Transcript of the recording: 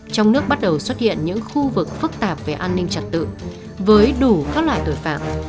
trong nước bắt đầu xuất hiện những khu vực phức tạp về an ninh trật tự với đủ các loại tội phạm